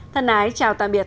thân ái chào tạm biệt